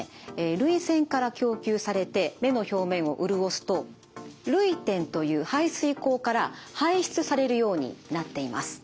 涙腺から供給されて目の表面を潤すと涙点という排水口から排出されるようになっています。